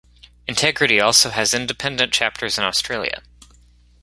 Integrity also has independent chapters in Australia.